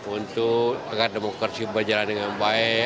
untuk agar demokrasi berjalan dengan baik